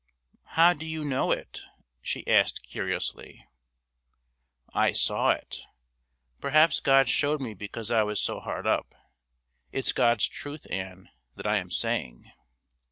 "How do you know it?" she asked curiously. "I saw it. Perhaps God showed me because I was so hard up. It's God's truth, Ann, that I am saying."